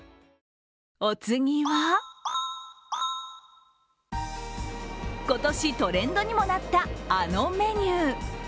お次は、今年トレンドにもなったあのメニュー。